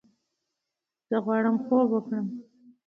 زۀ غواړم خوب وکړم!